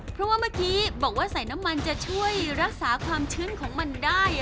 เพราะว่าเมื่อกี้บอกว่าใส่น้ำมันจะช่วยรักษาความชื้นของมันได้